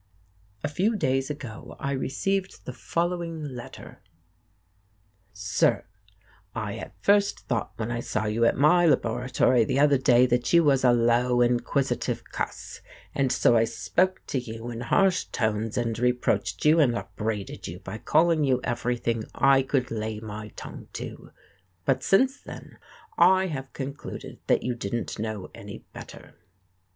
A few days ago I received the following letter: Sir: I at first thought when I saw you at my laboratory the other day that you was a low, inquisitive cuss and so I spoke to you in harsh tones and reproached you and upbraided you by calling you everything I could lay my tongue to, but since then I have concluded that you didn't know any better.